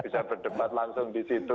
bisa berdebat langsung di situ